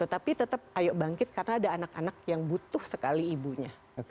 tapi tetap ayo bangkit karena ada anak anak yang butuh sekali ibunya